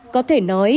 có thể nói